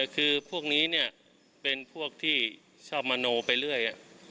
คือพวกนี้เป็นพวกที่ชอบมโนไปเรื่อย